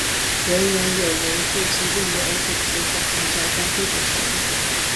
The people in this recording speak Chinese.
人人有为维护其利益而组织和参加工会的权利。